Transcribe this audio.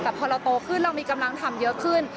แต่พอเราโตขึ้นเรามีกำลังทำเยอะขึ้น